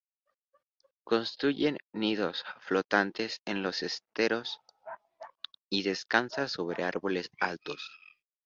Construyen nidos flotantes en los esteros y descansa sobre árboles altos.